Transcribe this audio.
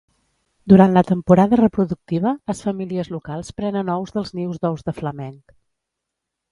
Durant la temporada reproductiva, les famílies locals prenen ous dels nius d'ous de flamenc.